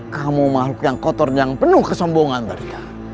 kamu makhluk yang kotor dan penuh kesombongan badrika